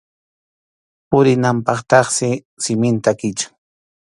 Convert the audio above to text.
Purinanpaqtaqsi siminta kichan.